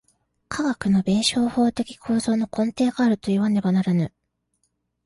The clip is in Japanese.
科学の弁証法的構造の根底があるといわねばならぬ。